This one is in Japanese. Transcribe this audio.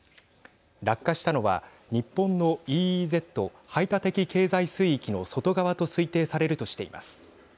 落下したのは、日本のＥＥＺ＝排他的経済水域の外側と推定されるとしています。